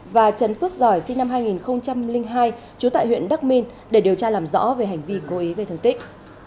và trần phước giỏi sinh năm hai nghìn hai trú tại huyện đắc minh để điều tra làm rõ về hành vi cố ý gây thương tích